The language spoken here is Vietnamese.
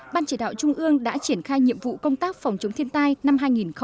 ban chỉ đạo trung ương đã triển khai nhiệm vụ công tác phòng chống thiên tai năm hai nghìn hai mươi